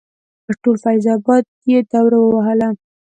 پر ټول فیض اباد یې دوره ووهله.